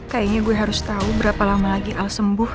kayaknya gue harus tahu berapa lama lagi al sembuh